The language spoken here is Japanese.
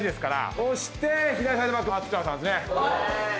そして左サイドバック松倉さんですね。